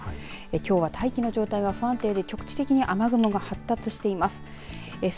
きょうは大気の状態が不安定で局地的に雨雲が発達しています。